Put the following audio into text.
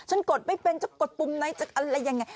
กดไม่เป็นจะกดปุ่มไหนจะอะไรยังไง